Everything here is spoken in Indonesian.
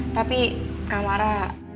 tapi kak mara